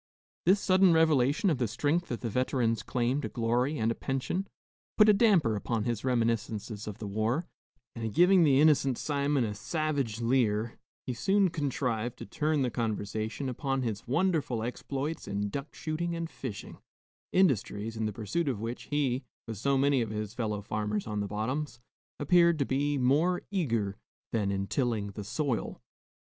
This sudden revelation of the strength of the veteran's claim to glory and a pension, put a damper upon his reminiscences of the war; and giving the innocent Simon a savage leer, he soon contrived to turn the conversation upon his wonderful exploits in duck shooting and fishing industries in the pursuit of which he, with so many of his fellow farmers on the bottoms, appeared to be more eager than in tilling the soil.